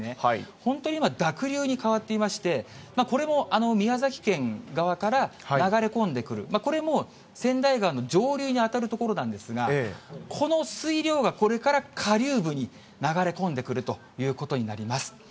本当に今、濁流に変わっていまして、これも宮崎県側から流れ込んでくる、これも川内川の上流に当たる所なんですが、この水量が、これから下流部に流れ込んでくるということになります。